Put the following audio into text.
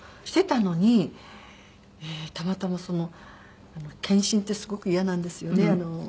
してたのにたまたま検診ってすごく嫌なんですよね。